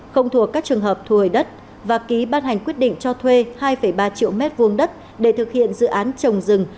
không thuộc các trường hợp thu hồi đất và ký ban hành quyết định cho thuê hai ba triệu m hai đất để thực hiện dự án trồng rừng